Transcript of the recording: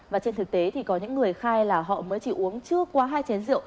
và trên thực tế thì có những người khai là họ mới chỉ uống chưa quá hai chén rượu